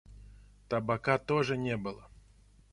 Табака тоже не было.